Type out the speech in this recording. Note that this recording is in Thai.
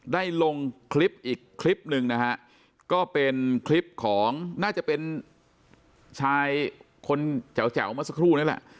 ได้ลงคลิปอีกคลิปหนึ่งนะฮะก็เป็นคลิปของน่าจะเป็นชายคนแจ๋วเมื่อสักครู่นี่แหละ